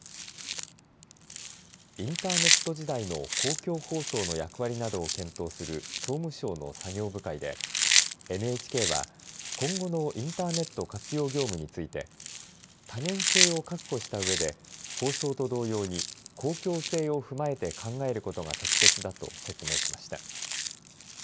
インターネット時代の公共放送の役割などを検討する総務省の作業部会でＮＨＫは、今後のインターネット活用業務について多元性を確保したうえで放送と同様に公共性を踏まえて考えることが適切だと説明しました。